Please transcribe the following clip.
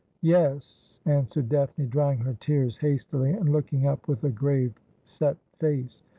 ' Yes,' answered Daphne, drying her tears hastily and looking up with a grave set face.